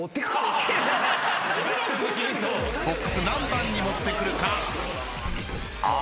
ボックス何番に持ってくるか？